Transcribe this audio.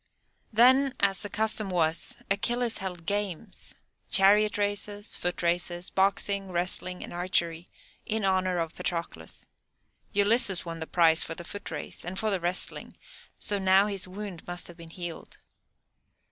Then, as the custom was, Achilles held games chariot races, foot races, boxing, wrestling, and archery in honour of Patroclus. Ulysses won the prize for the foot race, and for the wrestling, so now his wound must have been healed.